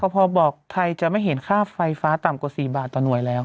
พอบอกไทยจะไม่เห็นค่าไฟฟ้าต่ำกว่า๔บาทต่อหน่วยแล้ว